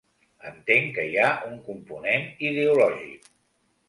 Entenc que hi ha un component ideològic.